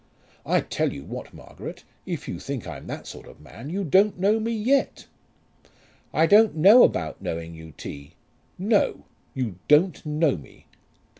I tell you what, Margaret, if you think I'm that sort of man, you don't know me yet." "I don't know about knowing you, T." "No; you don't know me."